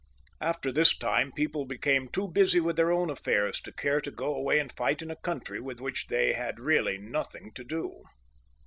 After this time people became too busy with their own affairs to care to go away and fight in a country with which they had really nothing to do.